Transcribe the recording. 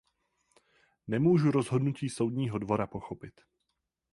Nemůžu rozhodnutí Soudního dvora pochopit.